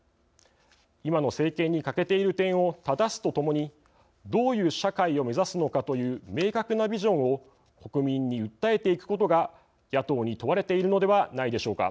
今の政権に欠けている点をただすとともにどういう社会を目指すのかという明確なビジョンを国民に訴えていくことが野党に問われているのではないでしょうか。